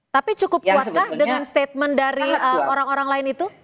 tapi cukup kuatkah dengan statement dari orang orang lain itu